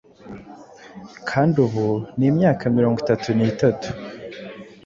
kandi ubu ni imyaka mirongo itatu n'itatu